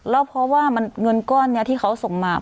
แล้วเพราะว่าเงินก้อนนี้ที่เขาส่งมา